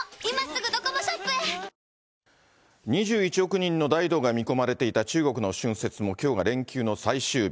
人の大移動が見込まれていた中国の春節も、きょうが連休の最終日。